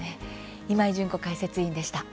今井純子解説委員でした。